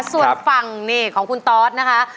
ส่วนฟังของคุณตอดนะคะ